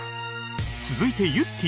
続いてゆってぃ